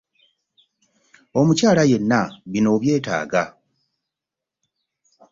Omukyala yenna bino obyetaaga.